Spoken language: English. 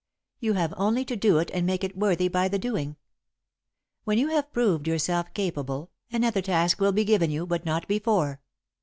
You have only to do it and make it worthy by the doing. When you have proved yourself capable, another task will be given you, but not before.